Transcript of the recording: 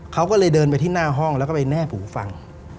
เขาก็เลยเดินไปที่หน้าห้องแล้วก็ไปแนบหูฟัง